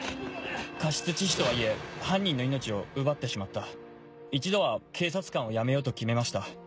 過失致死とはいえ犯人の命を奪ってしまった一度は警察官を辞めようと決めました。